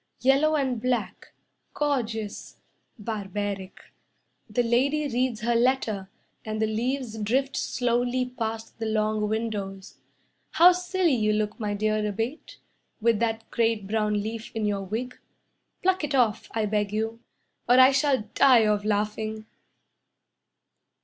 Yellow and black, Gorgeous barbaric. The lady reads her letter, And the leaves drift slowly Past the long windows. "How silly you look, my dear Abate, With that great brown leaf in your wig. Pluck it off, I beg you, Or I shall die of laughing."